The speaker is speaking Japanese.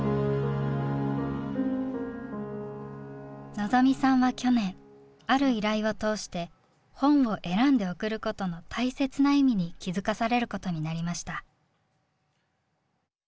望未さんは去年ある依頼を通して本を選んで送ることの大切な意味に気付かされることになりました。